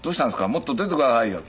もっと出てくださいよ」